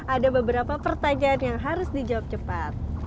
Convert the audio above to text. ada beberapa pertanyaan yang harus dijawab cepat